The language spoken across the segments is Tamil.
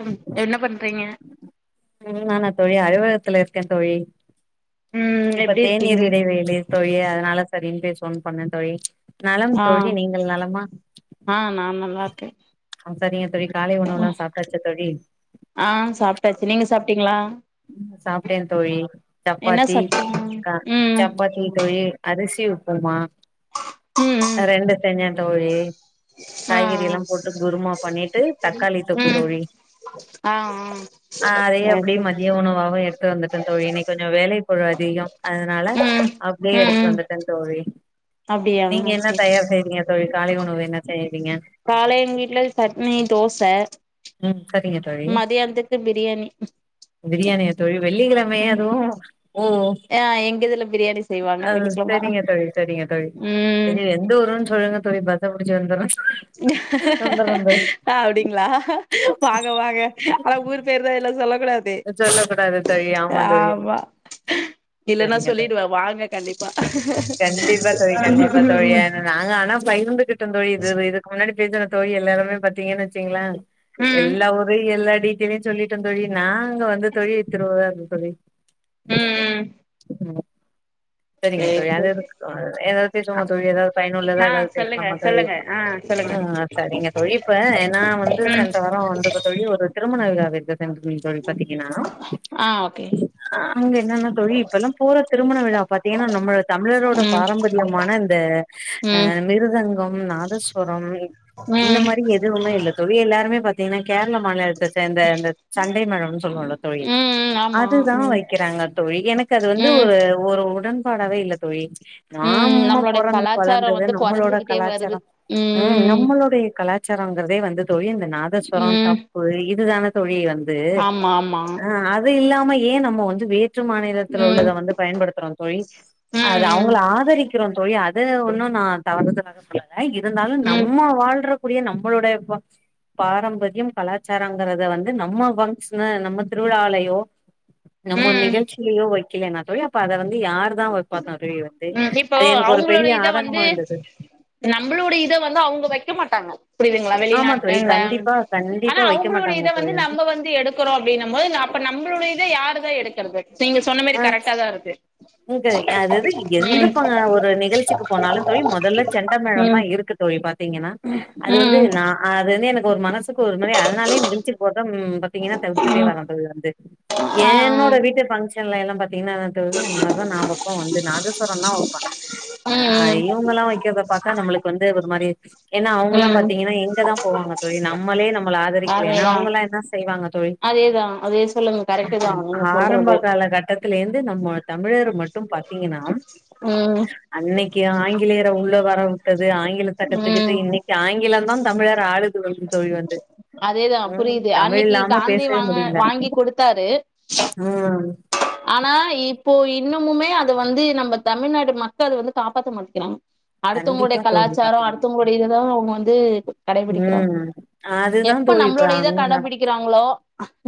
ம் என்ன பண்றீங்க ம் நானா தோழி அறிவாலையத்துல இருக்கந் தோழி ம் இப்ப எப்டி தேநீர் இருக்கீங்க இடைவெளி தோழி அதனால சரின் பேஸ் ஃபோன் பண்ணந் தோழி நலம் ஆ தோழி நீங்கள் நலமா ஆ சரிங்க தோழி க ம் ஆ சாப்டாச்சு நீங்க சாப்டீங்களா சாப்டே தோழி என்ன சப்பாத்தி சாப்ட்டீங்க க ம் சப்பாத்தி தோழி கத் அரிசி உப்புமா ம் ஆ ம் ரெண்டு தனியாம் தோழி ஆ காய்கறி ஆ எல்லாம் போட்டு குருமா பண்ணிட்டு தக்காளி தொக்கு ம் தோழி ஆ ஆ ஆ அதே சேர் அப்டியே சேர் மத் கவ எடுத்து வந்துட்டந் தோழி இன்னிக் கொஞ்சோ வேலை பாடு அதிகோ அதனால ம் அப்டியே ம் எடுத்துட்டு ம் வந்துட்டந் தோழி அப்டியா நீங்க என்ன சேர் தயார் செய்றீங்க தோழ் ழி காலை உணவு என்ன செய்வீங்க காலை எங் வீட்ல சட்னி தோச ம் சரிங்க தோழி மதியானத்துக்கு பிரியாணி பிரியாணியா தோழி வெள்ளிக்கெழமை ம் அதுவு ஓ ஆ எங்க இதுல பிரியாணி ஆ செய்வாங்க வெள்ளிக்கெழம சேரிங்க தோழி சேரிங்க தோழி ம் சேரி எந்த ஊருன் சொல்லுங்க தோழி பத்தவ [unintelligible] அப்டிங்களா வாங்க வாங்க ஆனா ஊர் பேரு தா எல்லாம் சொல்ல கூடாது சொல்ல கூடாது தோழி தோழி ஆமா இல்லன்னா சரிங்க தோழி சொல்லிடுவேன் வாங்க கண்டிப்பா கண்டிப்பா தோழி து இது இதுக்கு முன்னாடி [unintelligible] தோழி எல்லாருமே பாத்தீங்கன்னு வச்சீங்களா ம் ம் எல்லா ஊரு எல்லா டி இல்ல சொல்லிட்டன் தோழி நா ங்க வந்து தோழி [unintelligible] இருந்து தோழி ம். எனக் செரிங்க சேரி தோழி அது சேரி. எதுக்கு ஏதாது பேசுவாம தோழி ஏதாது பயனுள்ளதா ஆ எதாது சொல்லுங்க பேசலாமா தோழி சொல்லுங்க ஆ சொல்லுங்க ஆ செரிங்க தோழி இப்ப ஏன்னா வந்து ம் சென்ற வாரம் வந்தப்ப தோழி ஒரு ரெம்ப நல்லா தோழி பாத்தீங்கன்னா ஆ ஓகே அங்க என்னன்ன தோழி இப்பல்லா பூறா திருமண விழா பாத்தீங்கன்னா நம்ம தமிழரோட ம் பாரம்பரியமான இந்த அ ம் மிருதங்க மிருதங்கம் நாதஸ்வரம் இந்த ம் மாரி எதுவுமே இல்லை தோழி எல்லாருமே பாத்தீங்கன்னா கேரள மாநிலத்தை சேர்ந்த இந்த சண்டை மேளம் சொல்லுவாங்க தோழி ம் ஆமா அது தா ம் வைக்கிறாங்க தோழி எனக்கு அது வந்து ம் ஒரு ஒரு உடன்பாடவே இல்ல தோழி ம் நாம நம்மளுடைய பொறந்து கலாச்சாரம் வளர்ந்தது வந்து நம்மளோட கொறஞ்சுகிட்டே வருது கலாச்சாரம் ம் நம்மளோட கலாச்ச றங்கிறதே வந்து தோழி இந்த நாதஸ்வரம் ம் தப்பு இதுதான தோழி வந்து ஆமா ஆமா து ஆ அது இல்லா நம்ம ஏன் நம்ம வந்து வே ற்று மாநிலத்தில ம் உள்ளத வந்து பயன்படுத்துறோம் அது ம் அவங்கள ஆதரிக்கிறோம் தோழி அத ஒன்னும் நா நா வந்ததுனால சொல்லல இருந்தாலும் ம் நம்ம வாழ்ற கூடிய நம்மளுடைய பாரம்பரியம் கலாச்சாரங்கறத வந்து நம்ம பங்க்ஷன்ல நம்ம திருவிழாலையோ நம்ம ம் நிகழ்ச்சிலயே வைக் இல்லானா தோழிலா அப்ப அத வந்து ந்து யாருதா வெப்பா ம் இப்போ அவங்களோட இத ஆதங்கமா வந்து இருந்தது நம்மளோட இத வந்து அவங்க வைக்க மாட்டாங்க புரியுதுங்களா ஆமா வெளிநாட்டு தோழி வேம் கண்டிப்பா ஆனா கண்டிப்பா வைக்க அவங்களுடைய மாட்டாங்க இத தோழி வந்து நம்ப வந்து எடுக்குறோ அப்டினம் போது அப்ப நம்மளுடைய இத யாருதா எடு வெக்கறது நீங்க சொன்ன மாரி ஆ கரெக்டாதா இருக்கு இங்க அதாவது எந்த ம் பங்கா ஒரு நிகழ்ச்சிக்கு போனாலு தோழி மொதல்ல செண்டமேழம் தா ம் இருக்கு தோழி பாத்தீங்கன்னா அது வந்து ம் நா அது வந்து எனக் ஒரு மானஸ் த்துக்கு ஒரு முறை அதனாலயே நிகழ்ச்சி போருதம் பாத்தீங்கன்னா தவிர்த்துட்டே ம் வரந் தோழி வந்து ஆ ஆ ஏன்னோட வீட்டு ஃபங்ஷ் எல்லா எல்லாம் பாத் அப்டின்னாதா தோழி அந்த மார்தா நா வப்போ வந்து நாதஸ்வரோந்தா வப்ப நா ம் ம் இவங்கல்லா வைக்கிறத பாத்தா நம்மளுக்கு வந்து ஒரு மாரி ஏன்னா அவங்கல்லாம் ம் பாத்தீங்கன்னா எங்கதா போவாங்க தோழி நம்மளே நம் நம்மள ஆதரிக்கலீன்னா அதேதா அவங்களா என்ன செய்வாங்கத் அதேதா அதே சொல்லுங்க கரெக்டுதா நீங்க சொல்றது கட்டத்துல இருந்து நம்மாட் தமிழர் மட்டும் பாத்தீங்கன்னா ம் அன்னைக்கு ஆங்கிலேயர உள்ள வர உட்டது து ஆங்கிலத்த கத்துக்கிட்டு ம் இன்னிக் ஆயிங் ங்கிலந்தா தமிழர ஆழுது [inaudible] தோழி வந்து அதேதா ம் புரியுது தமிழ் அன்னைக்கு இல்லாம காந்தி பேசவே வாங்க முடியல வாங்கி குடுத்தாரு ம் ஆனா இப்போ இன்னமுமே அத வந்து நம்ம தமிழ்நாடு மக்கள் அத வந்து காப்பாத்த மாட்டிக்கிறாங்க அடுத்தவங்களுடைய கண்டிப்பா தோழி கலாச்சாரோ பாத்தீங்க அடுத்தவங்களுடைய இதுதா அவங்க வந் ந்து கடைபிடிக்கிறாங்க ம் அதுதா எப்ப தோழி இப்ப நம்மளோட இத அங்க கடபிடிக்கிறாங்களோ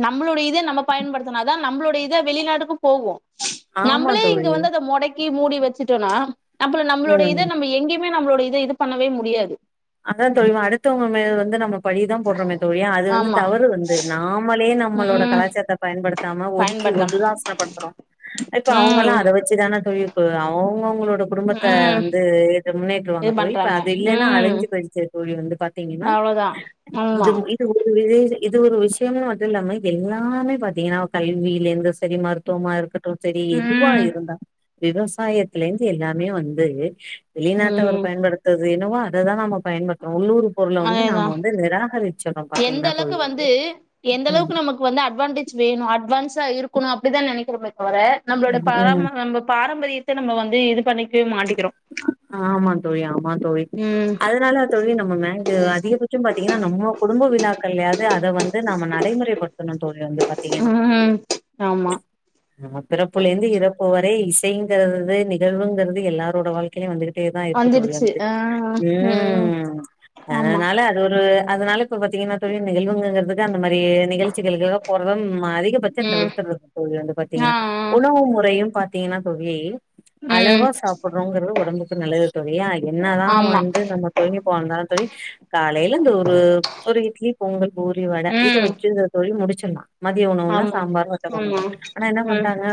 நம்மளுடைய இதே நம்ம பயன்படுத்துனாதா நம்பளோடு ஓட இத வெளிநாடு க்கும் போவோ ஆமா நம்மளே இங்க தோழி வந்து அத மொடக்கி மூடி வெச்சுட்டோன்னா அப்பறோ நம்மளோட ம் இத நம்ம எங்கயும் மே நம்மளோட இத இது பண்ணவே முடியாது அதா தோழி அடுத்தவங்க மேல வந்து நமக் பழிய தா போடுறோமே தோழி அது வந்து ஆமா தவறு வந்து நாமலே நம் நம்மோட ம் கலாச்சாரத்த பயன்படுத்தாம ஒதுக்கி பயன்படுத்தாம ஒதுதாசனப்படுத்துறோ இப்ப ம் அவங்காம் அத வச்சுதான தோழி இப்போ அவங் அவங்க அவங்களோ இந்த குடும்பத்த ம் வந்து எ முன்னேடுவாங்க இது தோழி இப்ப பண்றாங்க அது இல்லைன்னா ம் அழிஞ்சி ஓகே தோழி வந்து பாத்தீங்கா அவ்ளோதா ஆமா இது இது ஒரு [unintelligible] இது ஒரு விஷயம மட்டு இல்லாம இப்ப எல்லாமே பாார்த்தீங்கன்னா கல்வியில எந்த சேரி மருத்துவமா இருக்கட் டு சேரி எதுவா ம் இருந்தா விவசாயத்துல இருந்து எல்லாமே வந்து வெளிநாட்ட அவர் ம் பயன்படுத்துரது என்னவோ அததுதா நம்ம பயன்படுத்துரோ உள்ளூர் பொருள வந்து அதேதா நாம வந்து நிராகரித் எந்த அளவுக்கு வந்து எந்த ம் அளவுக்கு நமக்கு வந்து அட்வான்டேஜ் வேணு அட்வான்ஸா இருக் கணு அப்டிதா நெனைக்கிற பட் போற நம்மளோட பார ம் [unintelligible] நம்ம பாரம்பரியத் சேரி நம்ம வந்து இது பண்ணிக் ம் ஆமா தோழி ஆமா தோழி ம் அதனால தோழி நம்ம [unintelligible] அதிகபட்ச பாத்தீங்கன்னா நம்ம குடும்ப விழாக்கள் யாவது அத வந்து நாம நடைமுறைப்படுத் ம் ஆமா ஆம பிறப்புல இருந்து இறப்பு வரை இசைங்கறது [unintelligible] நிகழ்வுங்குறது இது எல்லாரோட வாழ்க்கில வந்துவிட் டே தா இருக்கு தோழி வந்துடுச்சு வந்து ஆ ம் ஆமா அதனால அது ஒரு அதனால இப்ப பாத்தீங்கன்னா தோழி நிகழ்வுங்குறதுக்கு அந்த மாரி நிகழ்சிகளுாக போறதுன் ம் மா அதிகபட்ச ம் தவுத்தரது தோழி வந்து ஆ பாத்தீங்கன்னா ஆ உணவு முறையு பாத் தீனா தோழி ம் சாப்பிடுறோங்குறது உடம்புக்கு நல்லது தோழி [unintelligible] என்னதா ஆமா வந்து நம்ம தொழில்நுட்பம் வளர்ந்தாலு தோழி காலேல அந்த ஒரு ஒரு இட்லி பொங்கல் பூரி வட இத ம் வச்சு தோழி முடிச் சொன்னா மதிய உணவுனா ஆமா சாம்பார் வத்தக்கொழம்பு ஆமா ஆனா என்ன ம் பண்றாங்க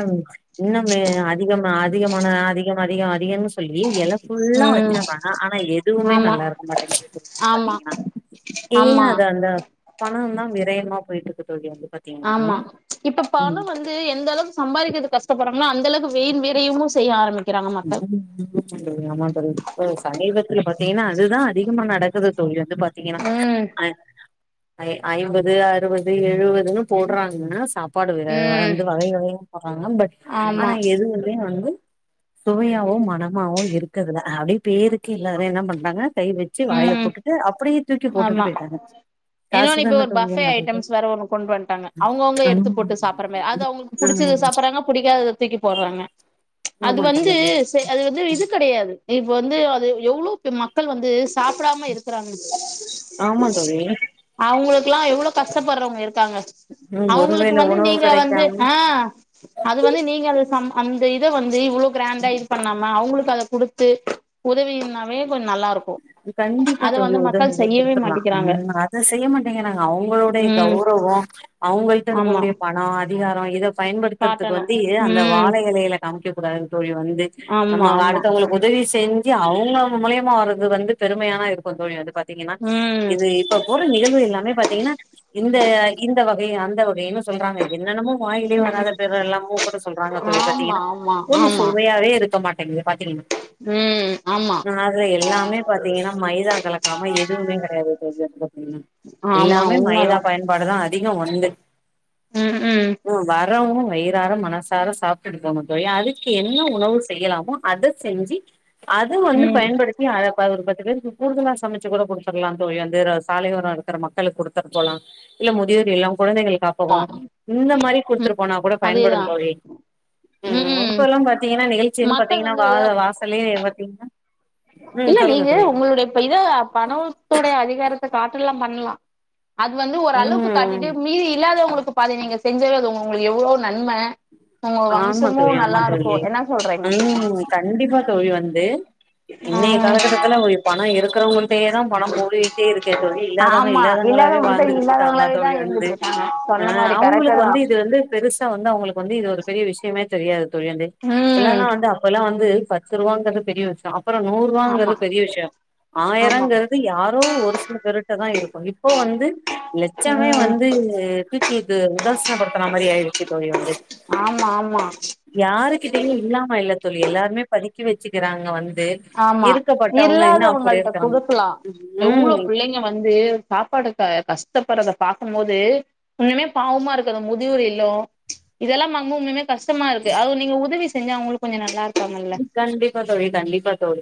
இன்னமு அதிக அதிகமான ாத ஆீ என் [unintelligible] சொல்லி எல புல்லா ம் வச்சிர்ராங்க ஆனா எதுவுமே ஆமா நல்லா இருக்க மாட்டேங்கு ஆமா பாத்தீங்கனா ஏ ஆமா அது அந்த பணந்தா விரயமா போய்ட்ருக்கு தோழி வந்து பாத்தீங்கன்னா ஆமா இப்ப ம் பண வந்து எந்த அளவுக்கு சம்பாதிக்கிறது கஷ்டப்பறாங்கன்னா அந்த அளவுக்கு வெயின் விறையுமு செய்ய ஆரம்பி உ நம இப்ப சமீவத்தில் [unintelligible] ஏன்னா அதுதா அதிகமா நடக்குது தோழி வந்து பாத்தீங்கன்னா ம் ஆ ஐம்பது அறுபது எழுவதுன்னு போடுறாங்கன்னா சாப் ப்பாடு ம் வந்து வகை வகைய போடுறாங்க பட் ஆமா ஆனா எதுலயு வந்து சுவையாவோ மனமாவோ இருக்குதுல அப்டிய பேருக்கு எல்லாரு என்ன பண்றாங்க கை வச்சு வாயில உம் போட்டுட்டு அப்டியே தூக்கி ஆமா போட்டுட்டு போயிட்டாங்க என்னொன்னு காசு இப்ப தான ஒரு தோழி பஃபே வேணு அப்டின்டு ஐட்டம்ஸ் வேற ஒன்னு கொண்டு வந்துட்டாங்க அவுங்கவுங்க எடுத்து ஆமா போட்டு சாப்ற மாரி அது அவுங்களுக்கு புடிச்சது ம் சாப்புறாங்க புடிக்காதத தூக்கி போடுறாங்க ஆமா அது தோழி வந்து ஆமா அது வந்து இது கெடயாது இ இப்ப வந்து அது எவ்ளோ மக்கள் வந்து சாப்டாம இருக்கு ஆமா தோழி அவுங்களுக்குல்லா எவ்ள கஷ்டப்படுறவங்க இருக்காங்க ம் அவுங்களுக்கு ஒருவேள வந்து உணவு நீங்க வந்து கெடைக்காம ஆ.... அது வந்து நீங்க அந்த இத வந்து இவ்ளோ கிராண்டா இது பண்ணாம அவுங்களுக்கு அத குடுத்து உதவினாவே கொஞ்சோ நல்லா இருக்கு கண்டிப்பா அத தோழி வந்து உத மக்கள் செய்யவே குடுத்துலா மாட்டிக்கிறாங்க உம் அத செய்ய மாட்டீங்கராங்க அவுங்களுடைய ம் கௌரவோ அவுங்கள்ட ஆமா இருக்கக்கூடிய பணோ அதிகாரம் இத பயன்படுத்துறதுக்கு காட்டணு வந்து ஏ அந்த ம் வாழ இலையில காமிக்க கூடாது தோழி வந்து ஆமா நம்ம ஆமா அடுத்தவங்களுக்கு உதவி செஞ்சு அவுங்கவுங்க மூலியமா வர்றது வந்து பெருமையாத இருக்கு தோழி வந்து ப தீங்கன்னா ம் இது இப்ப போடுற நிகழ்வு எல்லாம் லாமே பாத்தீங்கன்னா இந்த இந்த வகை அந்த வகைனு சொல்றாங்க என்னென்னமோ வாயிலயே வராத ம் பேர் எல்லாமோ கூட சொல்றாங்க தோழி ஆமா பாத்தீங்கன்னா ஆமா ஒன்னு ஆமா சுவையாவே இருக்க மாட் தண்ணிய பாத்துருவீங்க ம் ஆமா எல்லாமே பாத்தீங்கன்னா மைதா கலக்காம எதுவுமே கெடையாது தோழி அதுல அப்டின் ஆமா எல்லாமே மைதா உண்மதா பயன்பாடுதா அ அதிகோ ஒண்டு ம் ம் ஓ வார் அப்புறோ அவுங்க வயிர்றார மனசார சாப்டுட்டு போவாங்க தோழி அதுக்கு என்ன உணவு செய்யலாமோ அத செஞ்சி அது வந்து ம் பயன்படுத்தி அர ஆ அது ஒரு பத்து பேருக்கு கூடுதலா சமச்சு கூட குடுத்தர்லாம் தோழி வந்து சாலையோரோ இருக்குற மக்களுக் குடுத்துட் போலா இல்ல முதியோர் இல்லோம் குழந்தைகள் காப்பகோ இந்த மாரி குடுத்துருப்போன்னா கூட அதேதா பயன்படும் தோழி ம் இப்ப எல்லாம் பாத்தீங்கன்னா நிகழ்ச்சியெல்லாம் மக்கள் பாத்தீங்கன்னா வா வந்து வாசலே பாத்தீங்கன் இல்ல நீங்க உங்களுடைய இப்ப இத பணவத்தோடைய அதிகாரத்த காட்ட எல்லாம் பண்லா அது வந்து ஒரு அளவுக்கு ம் காட்டிட்டு மீதி இல்லாதவங்களுக் கு பாதி நீங்க செஞ்சவே அது உங்களுக்கு எவ்ளோ நன்ம உங்க ஆமா வம்சமு தோழி ஆமா நல்லா தோழி இருக்கு என்ன சொல்றீங்க ம் கண்டிப்பா தோழி வந்து இன்னைய ம் காலகட்டத்துல ஒரு பணோ இருக்குறவங்கள்டயேதாம் பணம் போயிட்டே இருக்கே தோழி இல்லாதவங்க ஆமா இல்லாதவங்களாவே இல்லாதவங்கள்ட்ட வாழ்ந்துகிட்ருக்காங்க இல்லாதவங்களாவே தா தோழி வந்து இருந்துட்டு இருக்காங்க அ சொன்ன மாரி கரெக்ட்டு அவங்களுக்கு தா வந்து இது வந்து பெருஸ் த்த வந்து அவங்களுக்கு வந்து இது ஒரு பெரிய விஷ்யமே தெரியாது தோழி வந்து ம் இப்பில்லனா வந்து அப்பெல்லா வந்து பத்து ரூவாங்கறது பெரிய விஷ்யோ அம் அப்புறோ ஆமா நூரூவாங்குறது பெரிய விஷ்யோ ஆமா ஆயிரங்குறது யார் ரு ஒரு சிலப் பெருட்டுதா இருக்கும் இப்போ வந்து லட்சமே ம் வந்து தூக்கி இது உதாசனப்படுத்துற மாரி ஆயிருச்சு தோழி வந்து ஆமா ஆமா யாருக்கிட்டயுமே இல்லாம இல்லத் தோழி எல்லாருமே படிக்க வெச்சுக்குறாங்க வந் ஆமா இல்லாதவங்கள்ட இருக்காங்க கொடுக்கலா எவ்ளோ ம் புள்ளைங்க வந்து சாப்பாடுக்க கஷ்டப்பர்தப் பாக்கும் போது இன்னுமே பாவமா இருக்கு முதியோர் இல்லம் இதெல்லாம் நம்ம ஒன்னும் கஷ்டமா இருக்கு அது நீங்க உதவி செஞ்சா அவுங்களுக்கு கொஞ்சம் நல்லா இருப்பாங்கல்ல கண்டிப்பா தோழி கண்டிப்பா தோழி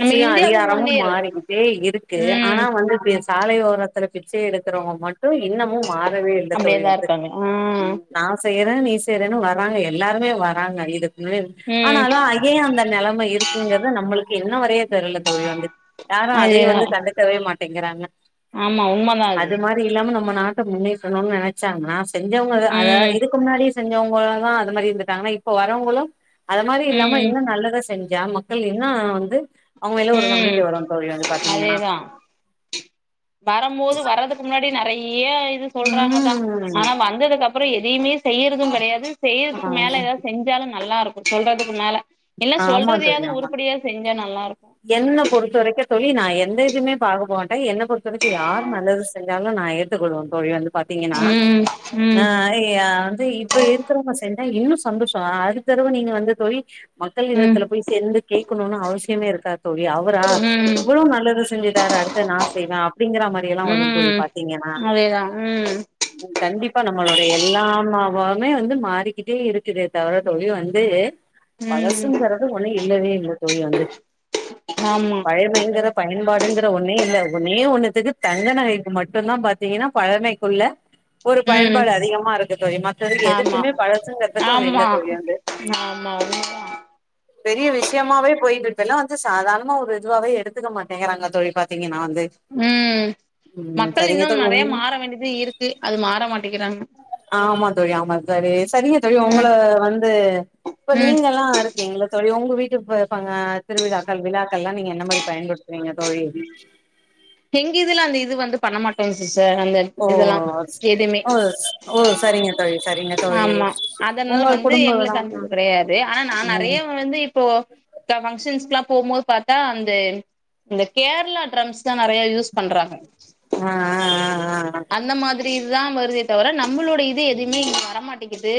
நம்ம இந்தியாவு அதிகாரமும் முன்னேறு மாறிக்கிட்டே இருக்கு ஆனா ம் வந்து பே சாலை ஓரத்து பிச்சை எடுக்குறவங்க மட்டும் இன்னமும் மாறவே இல்ல தோழி அப்டியேதா வந்து இருக்காங்க ம் நா செய்றேன் நீ செய்றேன்னு வர்றங்க எல்லாருமே வராங்க இது ம் ம் ஆனாலும் அ இங்கேயும் அந்த நிலைமை இருக்குங்கத நம்மளுக்கு இன்ன வரைய தெரியல தோழி வந்து யாரும் அதையும் அதேதா வந்து கண்டிக்கவே மாட் திங்கறாங்க ஆமா உம்ம தா அது நாட்டை முன்னற்றணும் நெனைச்சான்னா செஞ்சவங்கதா அத ம் இதுக்கு முன்னாடி செஞ்சவங்களும் தா அது மாரி இருந்துட்டாங்கன்னா இப்ப வரவங்களும் அத மாரி இல்லாம ம் நல்லதான் செஞ்சா மக்கள் என்னா வந்து அவங்க எல்லா ஒரு ம் நம்பிக்கை வரும் தோழி அது பாத்தீங்கன்னா அதேதா வரம்போது வர்றதுக்கு முன்னாடி நெறை ய இது சொல்றாங்க தா ம் ஆனா வந்தது அப் அப்றோ எதையுமே செய்யுறதும் கிடையாது ஆ செய்யறதுக்கு மேல‌ எதா செஞ்சாலும் நல்லா இருக்கு சொல்றதுக்கு மேல இல்ல ஆமா தோழி சொல்றதையாவது ஆமா உருப்படியா செஞ்சா நல்லா இருக்கும் என்ன பொறுத்த வரைக்கும் தோழி நா எந்த இதுவுமே பா போட்டா என்ன பொறுத்த வரைக்கு யார் நல்லது செஞ்சாலும் நா ஏத்துக்கொள்ளுவேன் தோழி வந்து பாத்தீங்கன்னா ம் ம் நா ஆ வந்து இப்ப என்ன தெரிம செஞ்ச ஆ இன்னும் சந்தோஷம் அடுத்த தடவ நீங்க வந்து தோழி மக்கள் ம் நிறுவத்துல போய் சேர்ந்து கேக்குணுனு அவசியமே இருக் காது தோழி அவரா இவ்ளோ நல்லது செஞ்சிட்டாரு அடுத்த நா செய்லா அப்டிங்ற மாரிலா வரு ம் தோழி பார் ம் பாத்தீங்கன்னா அதேதா ம் கண்டிப்பா நம்மளோட எல்லாமா எப்பவுமே வந்து மாறிக்கிட்டே இருக்குதே தவிர தோழி வந்து ம் வயசுங்கறது ஒன்னு இ இல்லவே இல்ல தோழி வந்து ஆமா பழைய பயங்கர பயன்பாட் ங்கற ஒன்னே இல்ல ஒன்னே ஒண்ண த்துக்கு தங்க நகைக்கு மட்டும்தா பாத்தீங்கன்னா பழமைக்குள்ள ஒரு ம் பயன்பாடு அதிகமா இருக்கு தோழி மக்களுக்கு ஆமா எதுக்குமே பழசுங்குறதுக்கு ஒன்னு இல்ல ஆமா தோழி வந்து ஆமா உண்மதா பெரிய விஷயமாவே போயிட்டுயிருக்கு இப்பலா சாதாரணமா ஒரு இதுவாவே எடுத்துக்க மாட்டேங்கறாங்க தோழி பாத்தீங்கன்னா வந்து ம் மக்கள் சரிங்க இன்னு நெறைய தோழி மாற வேண்டியது இருக்கு அது மாற மாட்டேங்கிறாங்க ஆமா தோழி ஆமா சரி சரிங்க தோழி உங்கள ம் வந்து இப்ப ம் நீங்கலா இருக்கீங்கள தோழி உங்க வீட் போய்யிருப்பாங்க திருவிழாக்கள் விழாக்கள்லா நீங்க என்ன மாதிரி பயன்படுத்துவீங்க தோழி எங்க இதுல அந்த இது வந்து பண்ணமாட்டோ சிஸ்டர் அந்த ஓ இதெல்லா அ எதுமே ஓ ஓ சரிங்க தோழி சரிங்க தோழி ஆமா அதனால உங்க வந்து குடும்ப விழா எங்களுக்கு அந்த ம் இது கேடயாது ஆனா நா நறைய ம் வந்து இப்போ பங்க்ஷன்ஸ்க்குலா போம்போது பார்த்தா அந்த இந்த கேரளா ட்ரம்ஸ் தா நறைய யூஸ் பண்றாங்க ஆ ஆ ஆ ஆ ஆ அந்த மாதிரி இதுதா வருதே தவிர நம் நம்முளுடைய இது எதுவுமே இல்ல கேக்குது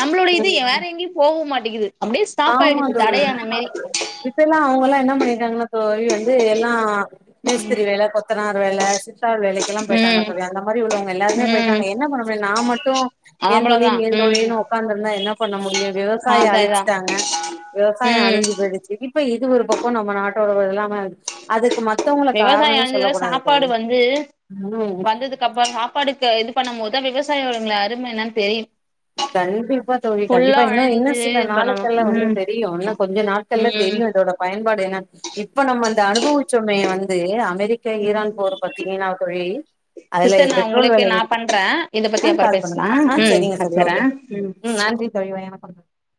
நம்மளோட இது வேற ம் எங்கேயு போக மாட் கேக்குது ஆமா தோழி இப்ப எல்லா அவுங்கலா என்ன பண்ணியிருக்காங்ளா இப்போவே வந்து எல்லா மேஸ்திரி வேலை கொத்தனார் வேலை சித்தாள் வேலைக்கெல்லா போய்ட்டாங்க ம் தோழி அந்த மாதிரி உள்ளவங்க எல்லாருமே ம் போயிட்டாங்க என்ன பண்ண முடியு நா மட்டு ஏன் தோழி அவ்ளோதா ஏன் ம் தோழின்னு ஒக்காந்துருந்தா என்ன என்ன பண்ண முடியு விவசாயோ அதேதா அழிச்சு அ விவசாயோ ம் அழிஞ்சு போயிடுச்சு இப்ப இது ஒரு பக்க நம்ம நாட்டோட [unintelligible] இல்லாம அதுக் விவசாய அழிஞ்சதுனா சாப்பாடு வந்து ம் வந்ததுக்கு அப்புறோ சாப்பாடுக்கு இது பண்ணு போதுதா விவசாயி ங்கள அரும என்னு தெரியு கண்டிப்பா தோழி ஃபுல்லா கண்டிப்பா இன்னு இன்னு அழிஞ்சு சில இது பண்ணணு நாளுக்கெல்லா வந்து ம் தெரியு இன்னு கொஞ்சோ நாட்கள்ல்ல ம் தெரியு இதோட பயன்பாடு என்ன இப்ப நம்ம அந்த அனுபவிச்சம்மே வந்து தே அமை க்க ஈரான் போர பாத்தீங்கன்னா தோழி அதுல சிஸ்டர் நா பெட்ரோல் உங்களுக்கு விலை நா ஏறிக்கிட்டு பண்றே இத பத்தி ஆ அப்புற கால் பண்ணுங்க பேசலா ஆ ம் சேரிங்க வச்சறே ஓகே ம் நன்றி தோழி [unintelligible]